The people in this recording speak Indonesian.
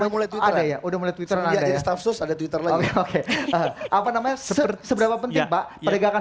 mulai ada ya udah mulai twitter ada twitter lagi oke apa namanya seberapa penting pak peragakan